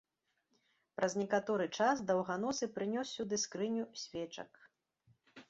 Праз некаторы час даўганосы прынёс сюды скрыню свечак.